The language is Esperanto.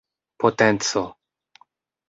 potenco